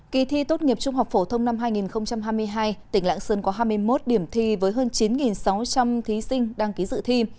kỳ thi tốt nghiệp trung học phổ thông năm hai nghìn hai mươi hai tỉnh lãng sơn có hai mươi một điểm thi với hơn chín sáu trăm linh thí sinh đăng ký dự thi